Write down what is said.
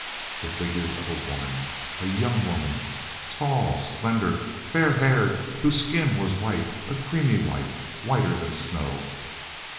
The figure of a woman! A young woman, tall, slender, fair haired, whose skin was white, a creamy white, whiter than snow.